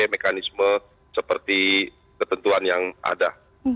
mekanisme seperti ketentuan yang ada